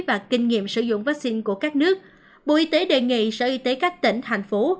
và kinh nghiệm sử dụng vaccine của các nước bộ y tế đề nghị sở y tế các tỉnh thành phố